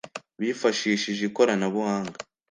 bifashishije ikoranabuhanga